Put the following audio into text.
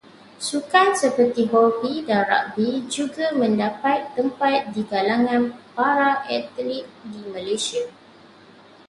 Sukan seperti hoki dan ragbi juga mendapat tempat di kalangan para atlit di Malaysia.